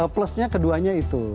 plusnya keduanya itu